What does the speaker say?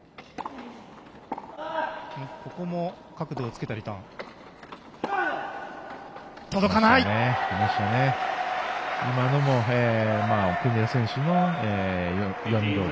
ここも角度をつけたリターン。